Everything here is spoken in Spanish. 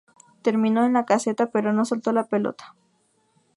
Terminó en la caseta pero no soltó la pelota.